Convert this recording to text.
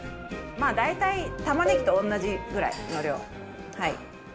まあ大体玉ねぎと同じぐらいの量はい。